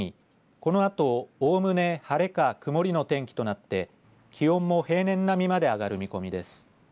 このあと、おおむね晴れか曇りの天気となって気温も平年並みまで上がる見込みです。